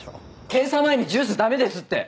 検査前にジュースダメですって！